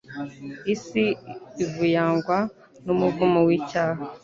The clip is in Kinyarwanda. isi ivuyangwa n'umuvumo w'icyaha.